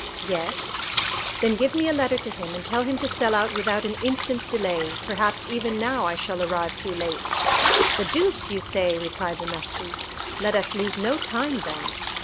"Yes." "Then give me a letter to him, and tell him to sell out without an instant's delay, perhaps even now I shall arrive too late." "The deuce you say!" replied the marquis, "let us lose no time, then!"